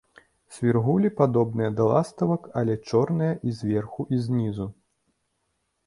Свіргулі падобныя да ластавак, але чорныя і зверху, і знізу.